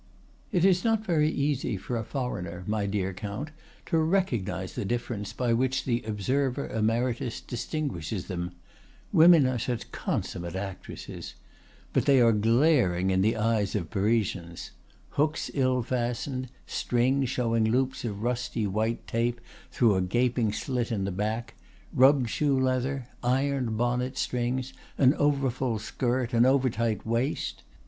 "It is not very easy for a foreigner, my dear Count, to recognize the differences by which the observer emeritus distinguishes them—women are such consummate actresses; but they are glaring in the eyes of Parisians: hooks ill fastened, strings showing loops of rusty white tape through a gaping slit in the back, rubbed shoe leather, ironed bonnet strings, an over full skirt, an over tight waist.